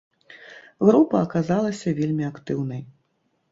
Група аказалася вельмі актыўнай.